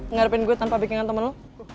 ngarepin gue tanpa bikin temen lo